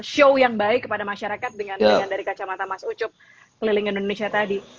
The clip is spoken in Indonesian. show yang baik kepada masyarakat dengan dari kacamata mas ucup keliling indonesia tadi